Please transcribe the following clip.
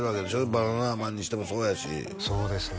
バナナマンにしてもそうやしそうですね